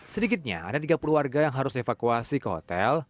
sedikitnya ada tiga puluh warga yang harus dievakuasi ke hotel